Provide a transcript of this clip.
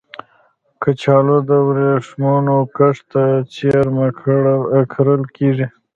کچالو د ورېښمو کښت ته څېرمه کرل کېږي